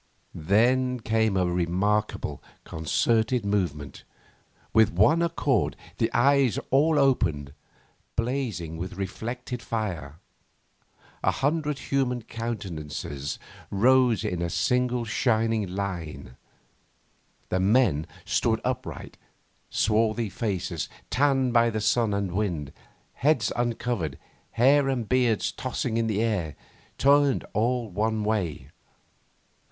Then came a remarkable, concerted movement. With one accord the eyes all opened, blazing with reflected fire. A hundred human countenances rose in a single shining line. The men stood upright. Swarthy faces, tanned by sun and wind, heads uncovered, hair and beards tossing in the air, turned all one way.